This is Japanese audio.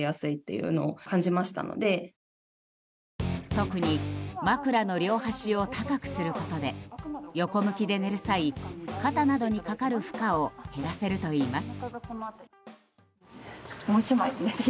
特に枕の両端を高くすることで横向きで寝る際、肩などにかかる負荷を減らせるといいます。